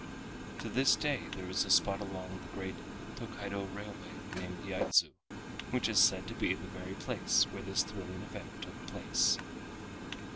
To this day there is a spot along the great Tokaido railway named Yaidzu, which is said to be the very place where this thrilling event took place.